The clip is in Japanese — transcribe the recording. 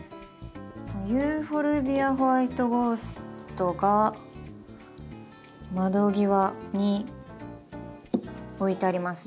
ユーフォルビア・ホワイトゴーストが窓際に置いてあります。